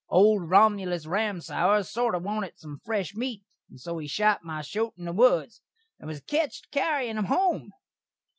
Old Romulus Ramsour sorter wanted sum fresh meat, and so he shot my shote in the woods, and was catched carrying him home.